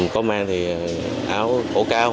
có mang thì áo cổ cao